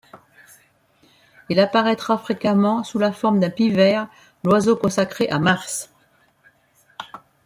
Il apparaîtra fréquemment sous la forme d'un pivert, l'oiseau consacré à Mars.